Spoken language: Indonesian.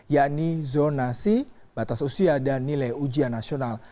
yakni zonasi batas usia dan nilai ujian nasional